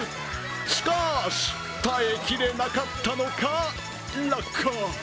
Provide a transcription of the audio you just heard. しかし、耐えきれなかったのか落下。